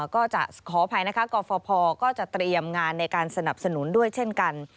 ก็จะขออภัยนะคะกรฟภก็จะเตรียมงานในการสนับสนุนด้วยเช่นกัน